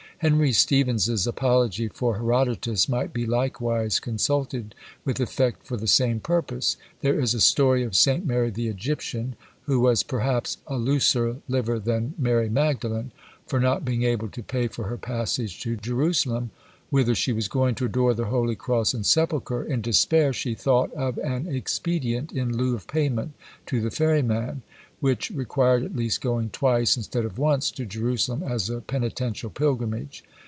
Henry Stephens's Apology for Herodotus might be likewise consulted with effect for the same purpose. There is a story of St. Mary the Egyptian, who was perhaps a looser liver than Mary Magdalen; for not being able to pay for her passage to Jerusalem, whither she was going to adore the holy cross and sepulchre, in despair she thought of an expedient in lieu of payment to the ferryman, which required at least going twice, instead of once, to Jerusalem as a penitential pilgrimage.